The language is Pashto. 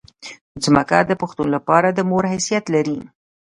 ځمکه د پښتون لپاره د مور حیثیت لري.